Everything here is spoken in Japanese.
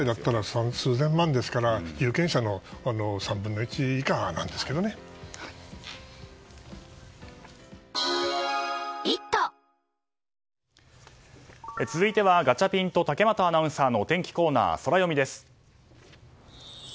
本来なら数千万ですから有権者の続いてはガチャピンと竹俣アナウンサーのお天気コーナー、ソラよみです。